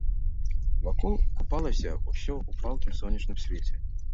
Вакол купалася ўсё ў палкім сонечным свеце.